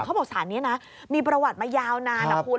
สารนี้นะมีประวัติมายาวนานนะคุณ